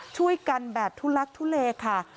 ช่วยกันแบบทุลักทุเลค่ะ